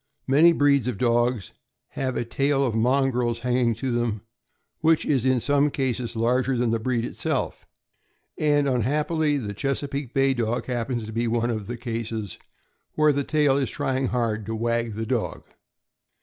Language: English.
Many breeds of dogs have a tail of mongrels hanging to them, which is in some cases larger than the breed itself; and, unhappily, the Chesapeake Bay Dog happens to be one of the cases where the tail is trying hard to wag the dog. THE CHESAPEAKE BAY DOG.